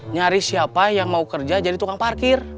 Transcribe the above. nyari siapa yang mau kerja jadi tukang parkir